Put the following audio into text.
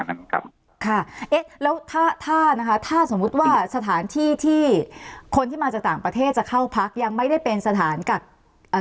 ครับค่ะเอ๊ะแล้วถ้าถ้านะคะถ้าสมมุติว่าสถานที่ที่คนที่มาจากต่างประเทศจะเข้าพักยังไม่ได้เป็นสถานกักอ่า